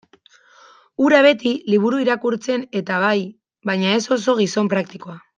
Hura beti liburu irakurtzen-eta bai, baina ez oso gizon praktikoa.